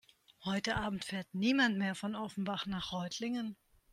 Heute Abend fährt niemand mehr von Offenbach nach Reutlingen